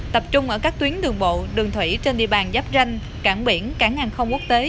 tập trung ở các tuyến đường bộ đường thủy trên địa bàn giáp ranh cảng biển cảng hàng không quốc tế